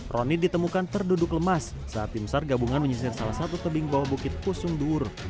roni ditemukan terduduk lemas saat tim sar gabungan menyisir salah satu tebing bawah bukit pusung duur